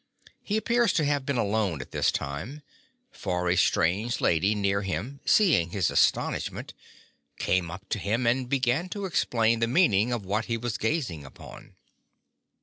He appears to have been alone at this time, for a strange lady near him seeing his astonishment came up to him and began to explain the meaning of what he was gazing upon.